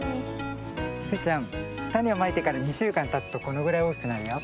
スイちゃんたねをまいてから２しゅうかんたつとこのぐらいおおきくなるよ。